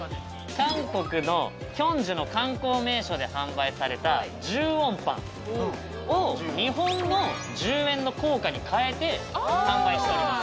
韓国の慶州の観光名所で販売された１０ウォンパンを日本の１０円の硬貨に変えて販売しております・